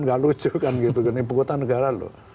nggak lucu kan ini ibu kota negara loh